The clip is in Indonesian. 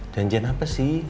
janjian apa sih